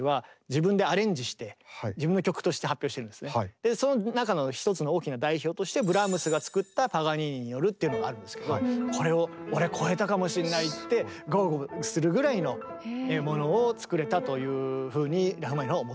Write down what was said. この曲をクラシックのその中の一つの大きな代表としてブラームスが作った「パガニーニによる」っていうのがあるんですけどこれを俺超えたかもしれないって豪語するぐらいのものを作れたというふうにラフマニノフは思ったんでしょうね。